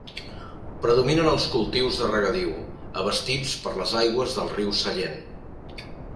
Predominen els cultius de regadiu, abastits per les aigües del riu Sallent.